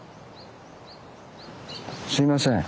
すいません。